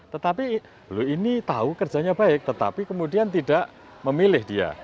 tetapi loh ini tahu kerjanya baik tetapi kemudian tidak memilih dia